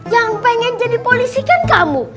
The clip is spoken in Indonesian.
yang pengen jadi polisi kan kamu